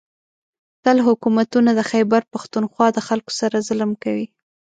. تل حکومتونه د خېبر پښتونخوا د خلکو سره ظلم کوي